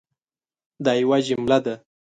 دا یوه جمله ده